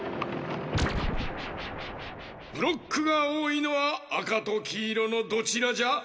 ブロックがおおいのはあかときいろのどちらじゃ？